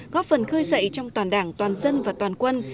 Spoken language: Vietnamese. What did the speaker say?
góp phần khơi dậy trong toàn đảng toàn dân và toàn quân